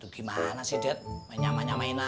gimana sih dad nyamain nyamain aja